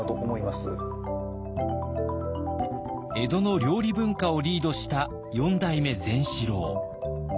江戸の料理文化をリードした４代目善四郎。